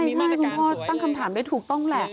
ใช่คุณพ่อตั้งคำถามได้ถูกต้องแหละ